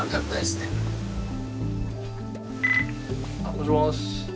もしもし。